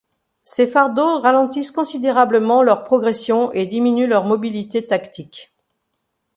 Ces fardeaux ralentissent considérablement leur progression et diminuent leur mobilité tactique.